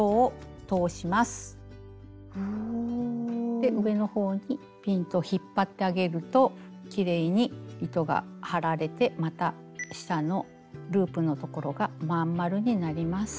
で上の方にピンと引っ張ってあげるときれいに糸が張られてまた下のループのところが真ん丸になります。